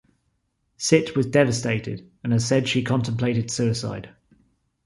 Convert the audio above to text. Sit was devastated and has said she contemplated suicide.